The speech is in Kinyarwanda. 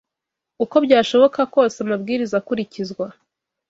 Uko byashoboka kose, amabwiriza akurikizwa